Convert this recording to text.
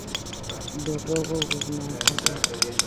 Dorrego, Guzmán, Av.